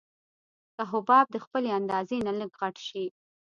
که حباب د خپلې اندازې نه لږ غټ شي.